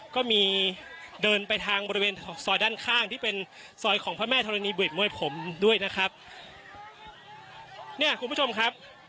ก็มีเดินไปทางบริเวณซอยด้านข้างที่เป็นซอยของพระแม่ธรณีเบรกมวยผมด้วยนะครับเนี่ยคุณผู้ชมครับ